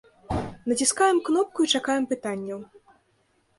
Націскаем кнопку і чакаем пытанняў.